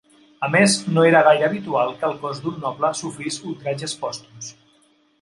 A més, no era gaire habitual que el cos d'un noble sofrís ultratges pòstums.